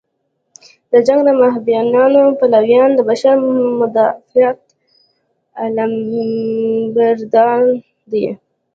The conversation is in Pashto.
د جنګ د مهابیانیو پلویان د بشر مدافعت علمبرداران دي.